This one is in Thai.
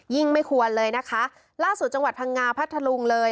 ไม่ควรเลยนะคะล่าสุดจังหวัดพังงาพัทธลุงเลย